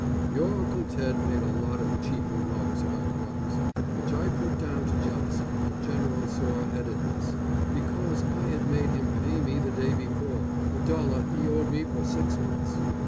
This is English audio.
Your Uncle Ted made a lot of cheap remarks about rugs, which I put down to jealousy, and general soreheadedness, because I had made him pay me the day before, a dollar he owed me for six months.